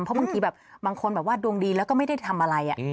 เพราะบางทีแบบบางคนแบบว่าดวงดีแล้วก็ไม่ได้ทำอะไร